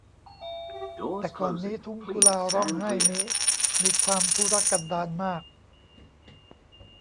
แต่ก่อนนี้ทุ่งกุลาร้องไห้นี้มีความทุรกันดารมาก